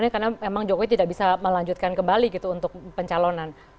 karena memang jokowi tidak bisa melanjutkan kembali gitu untuk pencalonan